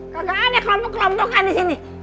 kagak ada kelompok kelompokan di sini